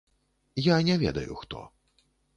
Я не ведаю хто.